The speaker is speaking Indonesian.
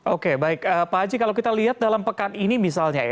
oke baik pak haji kalau kita lihat dalam pekan ini misalnya ya